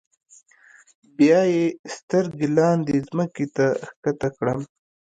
بیا یې سترګې لاندې ځمکې ته ښکته کړې.